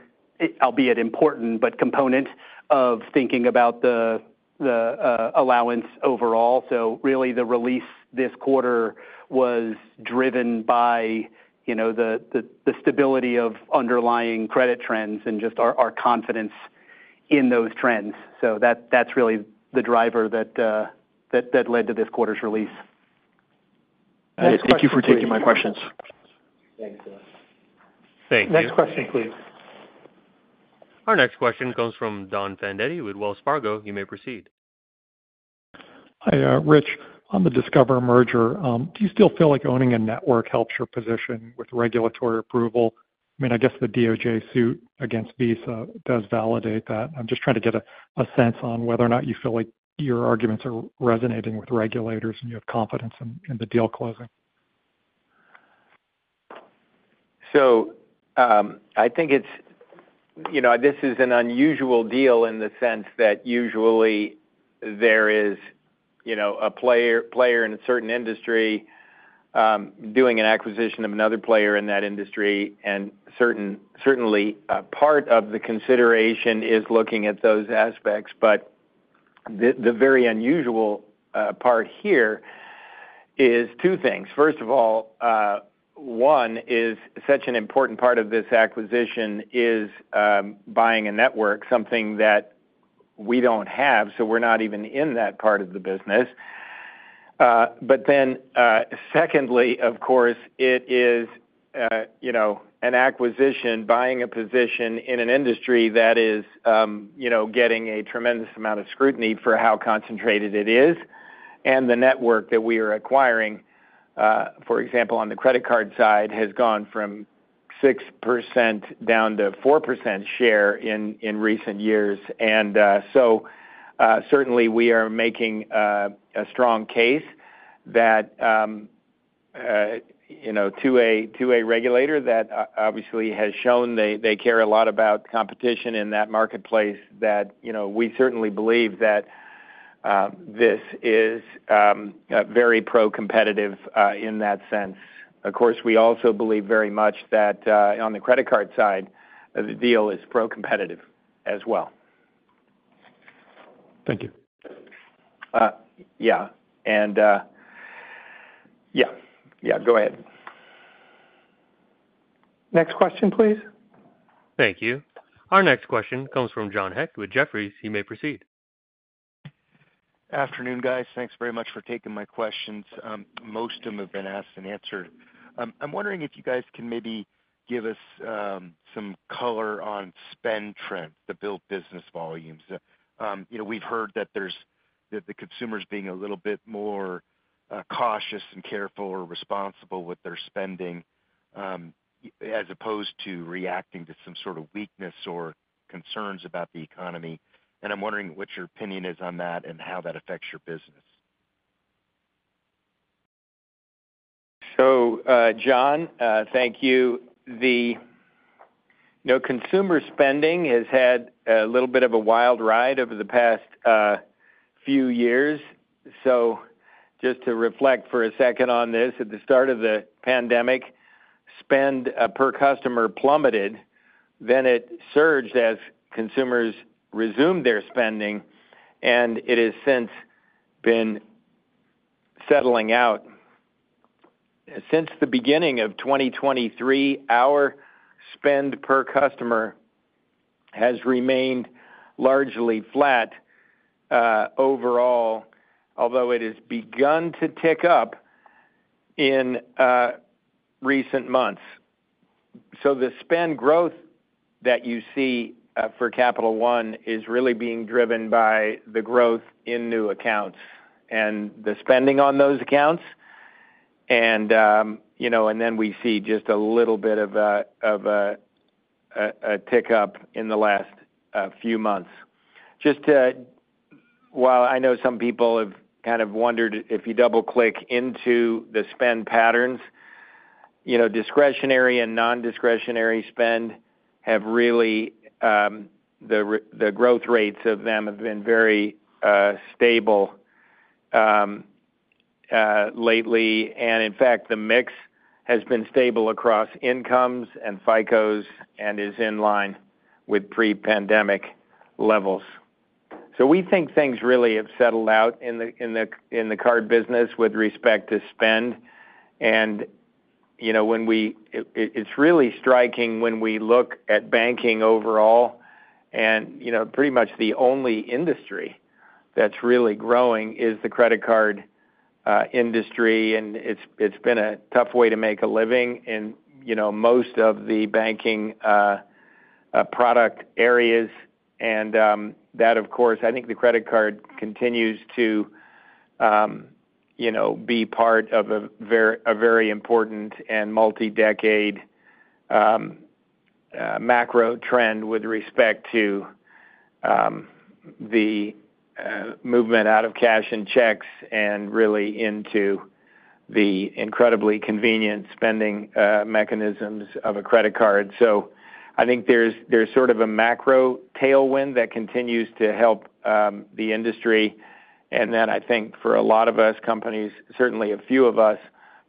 albeit important, but component of thinking about the allowance overall. So really, the release this quarter was driven by, you know, the stability of underlying credit trends and just our confidence in those trends. So that's really the driver that led to this quarter's release. Thank you for taking my questions. Thanks, Bill. Thank you. Next question, please. Our next question comes from Don Fandetti with Wells Fargo. You may proceed. Hi, Rich. On the Discover merger, do you still feel like owning a network helps your position with regulatory approval? I mean, I guess the DOJ suit against Visa does validate that. I'm just trying to get a sense on whether or not you feel like your arguments are resonating with regulators and you have confidence in the deal closing. So, I think it's. You know, this is an unusual deal in the sense that usually there is, you know, a player in a certain industry doing an acquisition of another player in that industry, and certainly part of the consideration is looking at those aspects. But the very unusual part here is two things. First of all, one is such an important part of this acquisition is buying a network, something that we don't have, so we're not even in that part of the business. But then, secondly, of course, it is. You know, an acquisition, buying a position in an industry that is, you know, getting a tremendous amount of scrutiny for how concentrated it is, and the network that we are acquiring, for example, on the credit card side, has gone from 6% down to 4% share in recent years. And so certainly we are making a strong case that, you know, to a regulator that obviously has shown they care a lot about competition in that marketplace, that, you know, we certainly believe that this is a very pro-competitive in that sense. Of course, we also believe very much that on the credit card side, the deal is pro-competitive as well. Thank you. Yeah, and yeah, yeah, go ahead. Next question, please. Thank you. Our next question comes from John Hecht with Jefferies. You may proceed. Afternoon, guys. Thanks very much for taking my questions. Most of them have been asked and answered. I'm wondering if you guys can maybe give us some color on spend trends to build business volumes. You know, we've heard that the consumer's being a little bit more cautious and careful or responsible with their spending as opposed to reacting to some sort of weakness or concerns about the economy. And I'm wondering what your opinion is on that and how that affects your business. So, John, thank you. You know, consumer spending has had a little bit of a wild ride over the past few years. Just to reflect for a second on this, at the start of the pandemic, spend per customer plummeted, then it surged as consumers resumed their spending, and it has since been settling out. Since the beginning of 2023, our spend per customer has remained largely flat overall, although it has begun to tick up in recent months. So the spend growth that you see for Capital One is really being driven by the growth in new accounts and the spending on those accounts. And you know, and then we see just a little bit of a tick up in the last few months. Just to, while I know some people have kind of wondered if you double-click into the spend patterns, you know, discretionary and non-discretionary spend have really, the growth rates of them have been very stable lately. And in fact, the mix has been stable across incomes and FICOs, and is in line with pre-pandemic levels. So we think things really have settled out in the card business with respect to spend. And, you know, it, it's really striking when we look at banking overall, and, you know, pretty much the only industry that's really growing is the credit card industry, and it's been a tough way to make a living in, you know, most of the banking product areas. That, of course, I think the credit card continues to, you know, be part of a very important and multi-decade macro trend with respect to the movement out of cash and checks, and really into the incredibly convenient spending mechanisms of a credit card. So I think there's sort of a macro tailwind that continues to help the industry. Then I think for a lot of U.S. companies, certainly a few of U.S.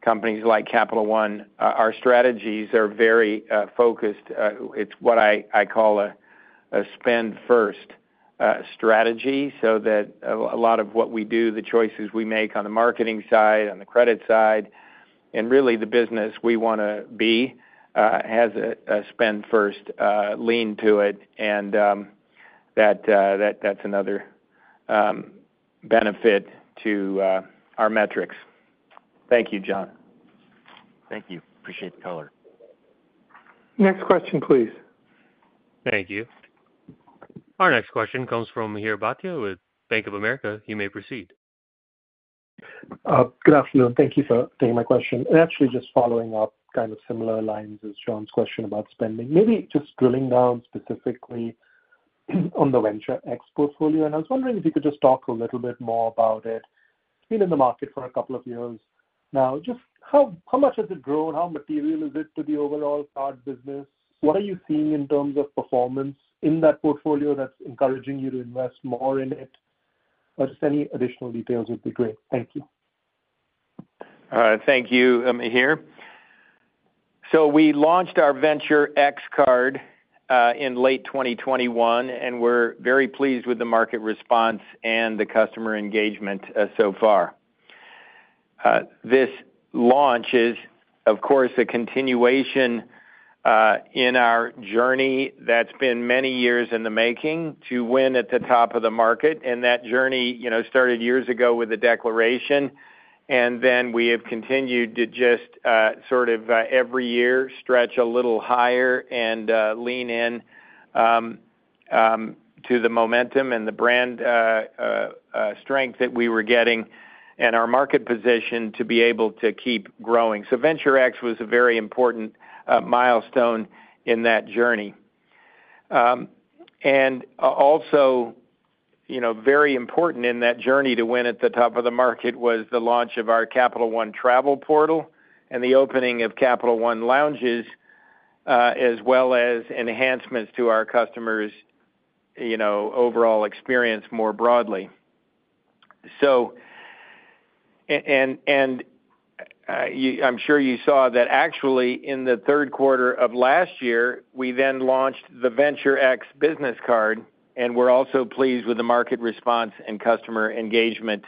companies like Capital One, our strategies are very focused. It's what I call a Spend First strategy, so that a lot of what we do, the choices we make on the marketing side, on the credit side, and really the business we wanna be, has a Spend First lean to it, and that's another benefit to our metrics. Thank you, John. Thank you. Appreciate the color. Next question, please. Thank you. Our next question comes from Mihir Bhatia with Bank of America. You may proceed. Good afternoon. Thank you for taking my question. Actually, just following up kind of similar lines as John's question about spending. Maybe just drilling down specifically on the Venture X portfolio, and I was wondering if you could just talk a little bit more about it. It's been in the market for a couple of years now. Just how much has it grown? How material is it to the overall card business? What are you seeing in terms of performance in that portfolio that's encouraging you to invest more in it? Just any additional details would be great. Thank you. Thank you, Mihir. So we launched our Venture X card in late 2021, and we're very pleased with the market response and the customer engagement so far. This launch is, of course, a continuation in our journey that's been many years in the making to win at the top of the market, and that journey, you know, started years ago with a declaration. We have continued to just sort of every year stretch a little higher and lean in to the momentum and the brand strength that we were getting and our market position to be able to keep growing. Venture X was a very important milestone in that journey. And also, you know, very important in that journey to win at the top of the market was the launch of our Capital One Travel portal and the opening of Capital One Lounges, as well as enhancements to our customers', you know, overall experience more broadly. So, I'm sure you saw that actually, in the third quarter of last year, we then launched the Venture X Business card, and we're also pleased with the market response and customer engagement,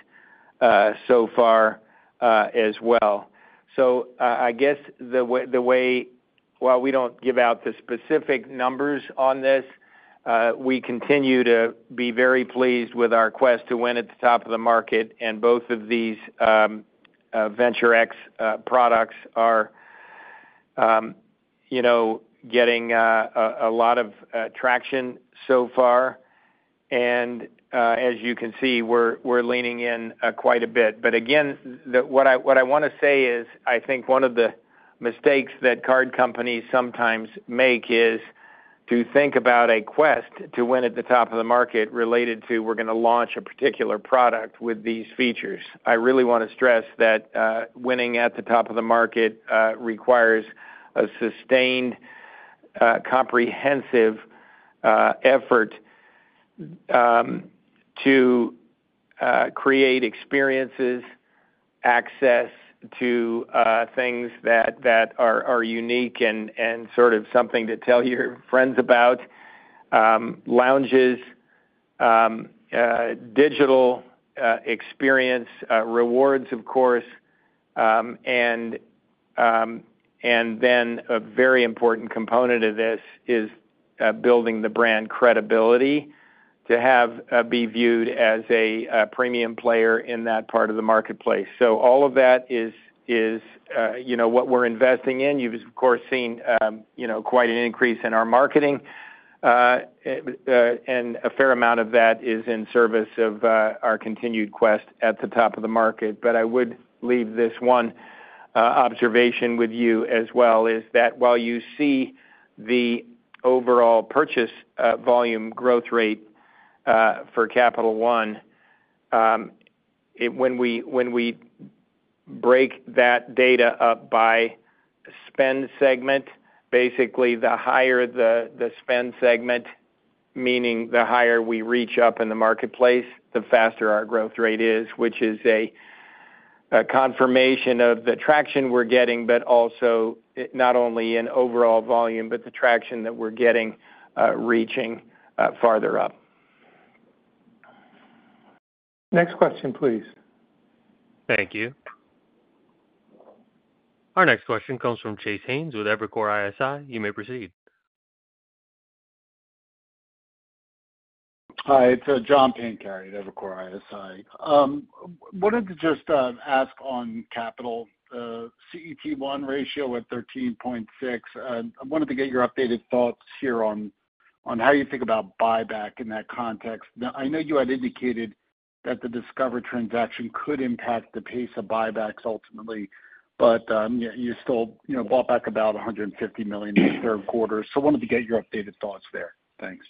so far, as well. So, I guess the way, while we don't give out the specific numbers on this, we continue to be very pleased with our quest to win at the top of the market, and both of these Venture X products are, you know, getting a lot of traction so far. And, as you can see, we're leaning in quite a bit. But again, what I want to say is, I think one of the mistakes that card companies sometimes make is to think about a quest to win at the top of the market related to, we're going to launch a particular product with these features. I really want to stress that, winning at the top of the market, requires a sustained, comprehensive, effort, to create experiences, access to, things that are unique and sort of something to tell your friends about, lounges, digital experience, rewards, of course, and then a very important component of this is, building the brand credibility to be viewed as a premium player in that part of the marketplace. So all of that is, you know, what we're investing in. You've, of course, seen, you know, quite an increase in our marketing, and a fair amount of that is in service of, our continued quest at the top of the market. But I would leave this one observation with you as well, is that while you see the overall purchase volume growth rate for Capital One, when we break that data up by spend segment, basically the higher the spend segment, meaning the higher we reach up in the marketplace, the faster our growth rate is, which is a confirmation of the traction we're getting, but also, it not only in overall volume, but the traction that we're getting reaching farther up. Next question, please. Thank you. Our next question comes from Chase Haynes with Evercore ISI. You may proceed. Hi, it's John Pancari, Evercore ISI. Wanted to just ask on capital CET1 ratio at 13.6. I wanted to get your updated thoughts here on how you think about buyback in that context. Now, I know you had indicated that the Discover transaction could impact the pace of buybacks ultimately, but you still, you know, bought back about $150 million in the third quarter. So I wanted to get your updated thoughts there. Thanks.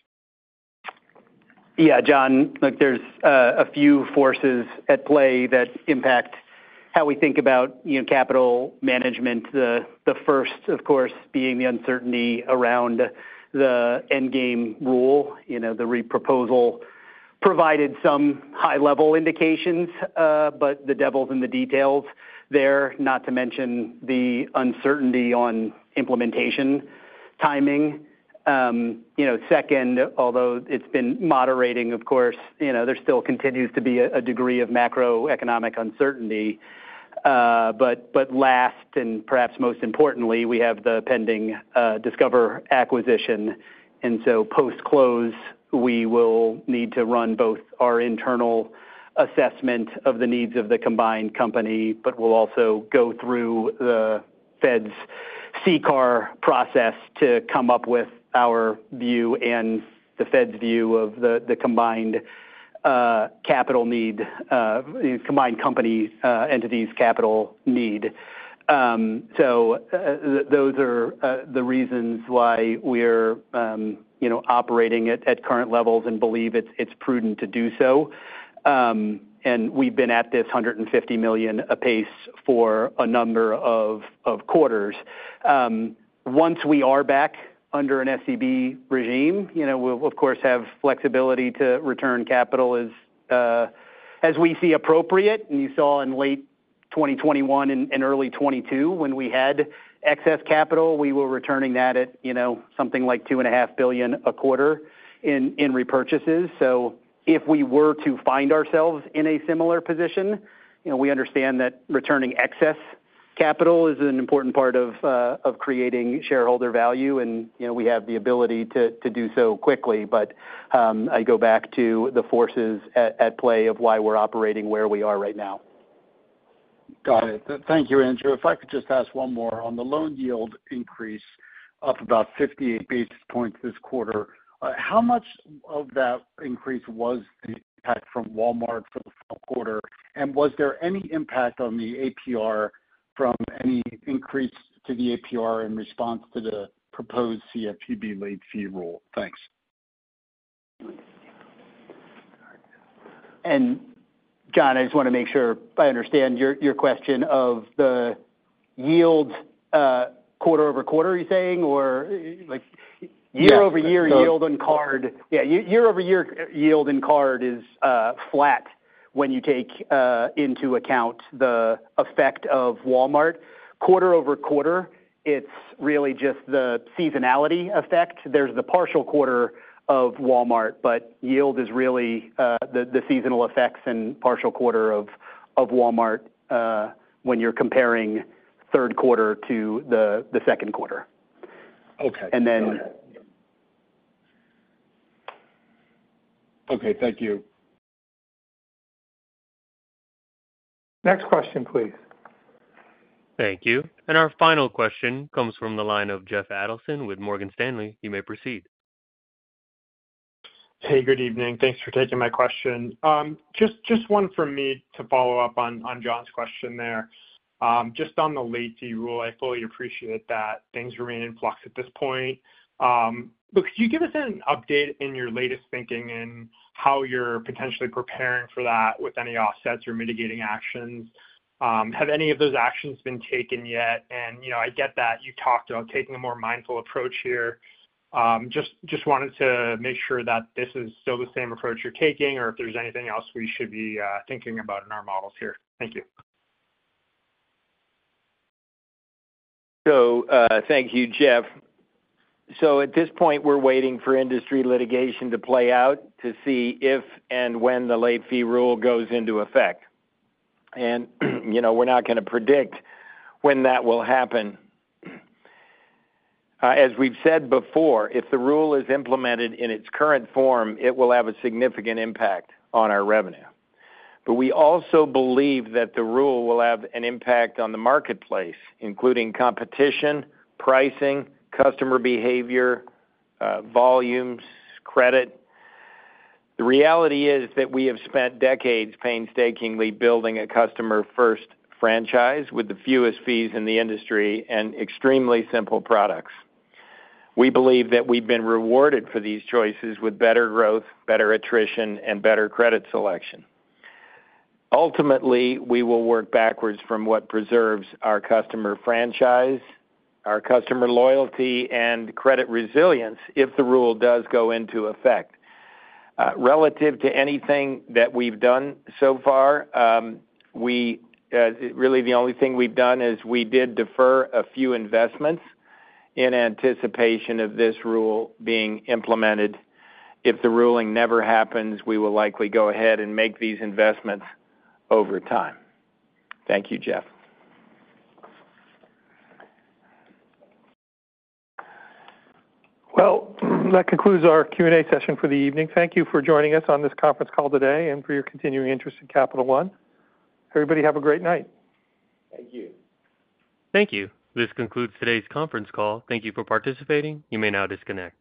Yeah, John, look, there's a few forces at play that impact how we think about, you know, capital management. The first, of course, being the uncertainty around the Endgame rule. You know, the re-proposal provided some high-level indications, but the devil's in the details there, not to mention the uncertainty on implementation timing. You know, second, although it's been moderating, of course, you know, there still continues to be a degree of macroeconomic uncertainty. But last, and perhaps most importantly, we have the pending Discover acquisition, and so post-close, we will need to run both our internal assessment of the needs of the combined company, but we'll also go through the Fed's CCAR process to come up with our view and the Fed's view of the combined capital need, the combined company entities' capital need. So, those are the reasons why we're, you know, operating at current levels and believe it's prudent to do so. And we've been at this $150 million pace for a number of quarters. Once we are back under an SCB regime, you know, we'll of course have flexibility to return capital as we see appropriate. And you saw in late 2021 and early 2022, when we had excess capital, we were returning that at, you know, something like $2.5 billion a quarter in repurchases. So if we were to find ourselves in a similar position, you know, we understand that returning excess capital is an important part of creating shareholder value, and, you know, we have the ability to do so quickly. But, I go back to the forces at play of why we're operating where we are right now. Got it. Thank you, Andrew. If I could just ask one more. On the loan yield increase, up about 58 basis points this quarter, how much of that increase was the impact from Walmart for the fourth quarter? And was there any impact on the APR from any increase to the APR in response to the proposed CFPB late fee rule? Thanks. John, I just want to make sure I understand your question of the yield, quarter over quarter, are you saying? Or like year-over-year yield on card. Yeah, year-over-year yield in card is flat when you take into account the effect of Walmart. Quarter over quarter, it's really just the seasonality effect. There's the partial quarter of Walmart, but yield is really the seasonal effects and partial quarter of Walmart when you're comparing third quarter to the second quarter. Okay. And then. Okay, thank you. Next question, please. Thank you. And our final question comes from the line of Jeff Adelson with Morgan Stanley. You may proceed. Hey, good evening. Thanks for taking my question. Just, just one for me to follow up on, on John's question there. Just on the late fee rule, I fully appreciate that things remain in flux at this point. But could you give us an update in your latest thinking in how you're potentially preparing for that with any offsets or mitigating actions? Have any of those actions been taken yet? And, you know, I get that you talked about taking a more mindful approach here. Just, just wanted to make sure that this is still the same approach you're taking, or if there's anything else we should be thinking about in our models here. Thank you. Thank you, Jeff. At this point, we're waiting for industry litigation to play out to see if and when the late fee rule goes into effect. You know, we're not going to predict when that will happen. As we've said before, if the rule is implemented in its current form, it will have a significant impact on our revenue. We also believe that the rule will have an impact on the marketplace, including competition, pricing, customer behavior, volumes, credit. The reality is that we have spent decades painstakingly building a customer-first franchise with the fewest fees in the industry and extremely simple products. We believe that we've been rewarded for these choices with better growth, better attrition, and better credit selection. Ultimately, we will work backwards from what preserves our customer franchise, our customer loyalty, and credit resilience if the rule does go into effect. Relative to anything that we've done so far, we really, the only thing we've done is we did defer a few investments in anticipation of this rule being implemented. If the ruling never happens, we will likely go ahead and make these investments over time. Thank you, Jeff. Well, that concludes our Q&A session for the evening. Thank you for joining us on this conference call today and for your continuing interest in Capital One. Everybody, have a great night. Thank you. Thank you. This concludes today's conference call. Thank you for participating. You may now disconnect.